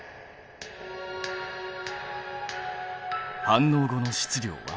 反応後の質量は？